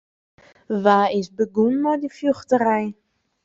Wa is begûn mei dy fjochterij?